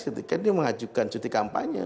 ketika dia mengajukan cuti kampanye